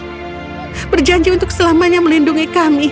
saya berjanji untuk selamanya melindungi kami